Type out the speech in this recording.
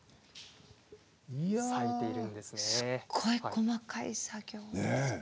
すごい細かい作業。